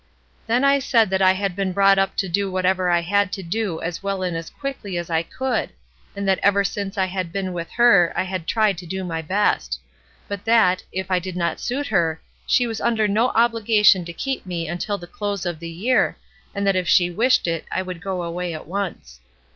"Then I said that I had been brought up to do whatever I had to do as well and as quickly as I could, and that ever since I had been with her I had tried to do my best. But that, if I did not suit her, she was under no obligation to keep me until the close of the year, and that if she wished it, I would go away at once.